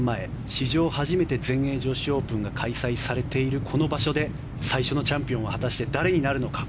史上初めて全英女子オープンが開催されているこの場所で最初のチャンピオンは果たして誰になるのか。